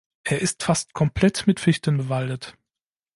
Er ist fast komplett mit Fichten bewaldet.